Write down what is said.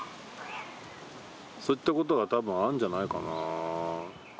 そういったことがたぶんあんじゃないかな。